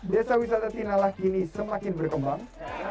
desa wisata tinala kini semakin berkembang